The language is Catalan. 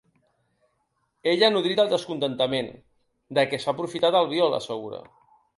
Ell ha nodrit el descontentament de què s’ha aprofitat Albiol, assegura.